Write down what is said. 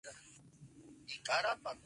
Se les incluía en los guardias imperiales.